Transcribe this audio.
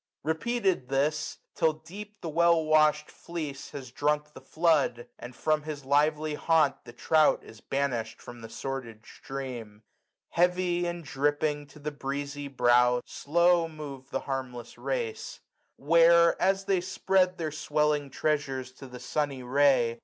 Repeated this, till deep the well wash*d fleece Has drunk the flood, and from his lively haunt 385 The trout is banishM by the sordid stream ; Heavy, and dripping, to the breezy brow Slow move the harmless race ; where, as they spread Their swelling treasures to the sunny ray.